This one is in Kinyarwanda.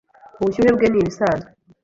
Ubushyuhe bwe nibisanzwe.